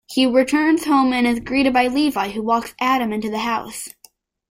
He returns home and is greeted by Levi, who walks Adam into the house.